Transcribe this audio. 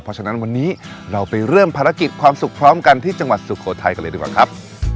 เพราะฉะนั้นวันนี้เราไปเริ่มภารกิจความสุขพร้อมกันที่จังหวัดสุโขทัยกันเลยดีกว่าครับ